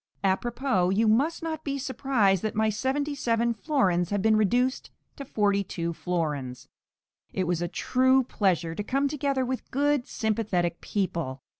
A propos, you must not be surprised that my seventy seven florins have been reduced to forty two florins. It was a true pleasure to come together with good sympathetic people.